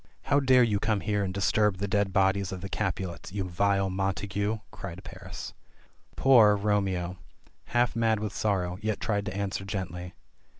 "How dare you come here and disturb the dead bodies of the Capulets, you vile Montagu !" cried Paris. Poor, Romeo, half mad with sorrow, yet tried to answer gently.